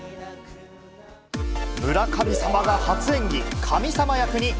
村神様が初演技。